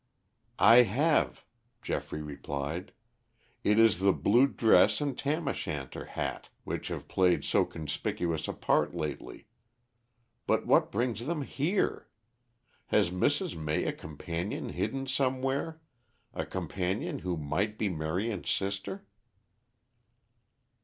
"I have," Geoffrey replied. "It is the blue dress and tam o' shanter hat which have played so conspicuous a part lately. But what brings them here? Has Mrs. May a companion hidden somewhere, a companion who might be Marion's sister?"